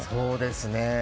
そうですね。